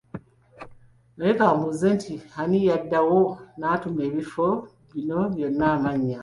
Naye kambuuze ani yadda awo n'atuuma ebifo bino byonna amannya.